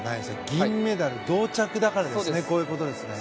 銀メダル、同着だからですね。